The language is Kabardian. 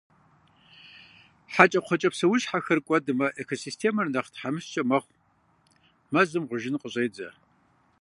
Хьэкӏэкхъуэкӏэ псэущхьэшххэр кӀуэдмэ, экосистемэр нэхъ тхьэмыщкӀэ мэхъу, мэзым гъужын къыщӀедзэ.